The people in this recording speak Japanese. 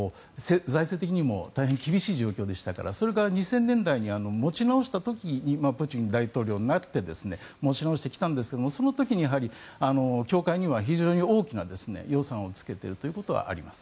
財政的にも大変厳しい状況でしたからそれが２０００年代に持ち直した時にプーチン大統領になって持ち直してきたんですがその時にやはり教会には非常に大きな予算をつけているということはあります。